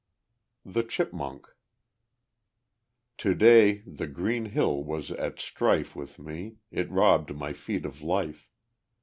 The Chipmunk To day the green hill was at strife With me; it robbed my feet of life.